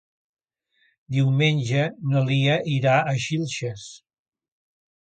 Diumenge na Lia irà a Xilxes.